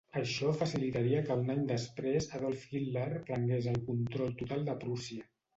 Això facilitaria que un any després Adolf Hitler prengués el control total de Prússia.